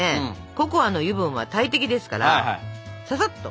ココアの油分は大敵ですからささっと！